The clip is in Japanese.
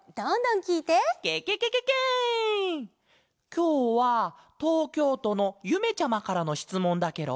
きょうはとうきょうとのゆめちゃまからのしつもんだケロ。